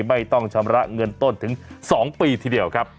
ไม่ต้องชำระเงินต้นถึง๒ปีทีเดียวครับ